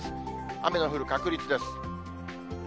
雨の降る確率です。